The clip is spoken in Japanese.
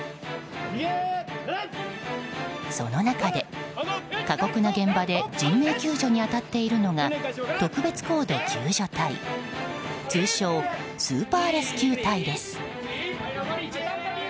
その中で、過酷な現場で人命救助に当たっているのが特別高度救助隊通称スーパーレスキュー隊です。